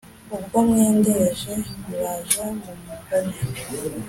ubwo mwendereje muraje mumbone